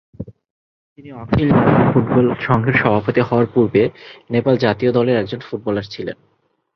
তিনি অখিল নেপাল ফুটবল সংঘের সভাপতি হওয়ার পূর্বে নেপাল জাতীয় দলের একজন ফুটবলার ছিলেন।